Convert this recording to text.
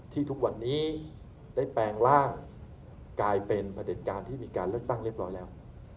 ทุกวันนี้ได้แปลงร่างกลายเป็นประเด็จการที่มีการเลือกตั้งเรียบร้อยแล้ว